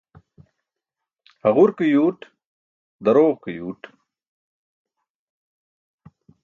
Haġur ke yuuṭ, daroġo ke yuuṭ.